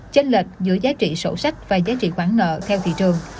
chênh lệch giữa giá trị sổ sách và giá trị khoản nợ theo thị trường